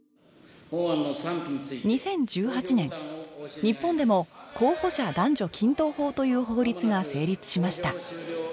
２０１８年日本でも候補者男女均等法という法律が成立しました